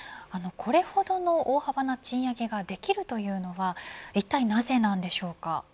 これほどの大幅な賃上げができるというのはいったいなぜなんでしょうか。